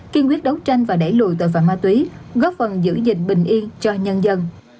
kiên quyết đấu tranh và đẩy lùi tội phạm ma túy góp phần giữ gìn bình yên cho nhân dân